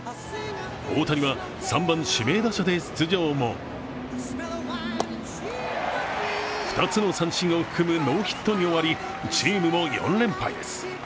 大館は３番・指名打者で出場も２つの三振を含むノーヒットに終わり、チームも４連敗です。